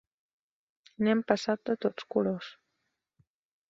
N'hem passat de tots colors.